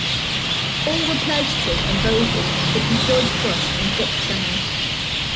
All were pledged to and voted for George Bush and Dick Cheney.